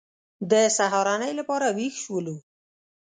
د سهارنۍ لپاره وېښ شولو.